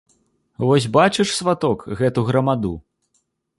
Вось бачыш, сваток, гэту грамаду?